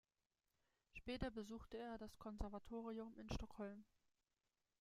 Später besuchte er das Konservatorium in Stockholm.